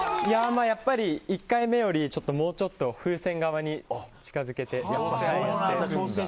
やっぱり１回目よりもうちょっと風船側に近づけて。